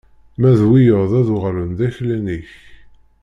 Ma d wiyaḍ ad uɣalen d aklan-ik!